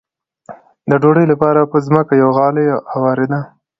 د ډوډۍ لپاره به په ځمکه یوه غالۍ اوارېده.